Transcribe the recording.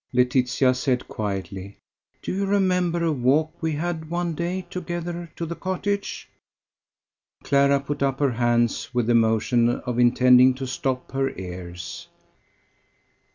Laetitia said, quietly: "Do you remember a walk we had one day together to the cottage?" Clara put up her hands with the motion of intending to stop her ears.